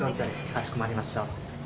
かしこまりました。